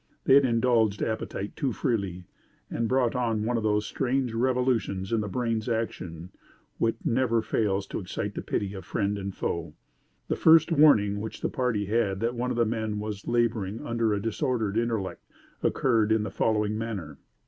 They had indulged appetite too freely, and brought on one of those strange revolutions in the brain's action which never fails to excite the pity of friend and foe. The first warning which the party had that one of the men was laboring under a disordered intellect occurred in the following manner.